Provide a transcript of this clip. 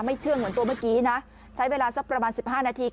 เชื่องเหมือนตัวเมื่อกี้นะใช้เวลาสักประมาณ๑๕นาที